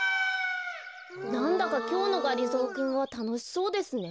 なんだかきょうのがりぞーくんはたのしそうですね。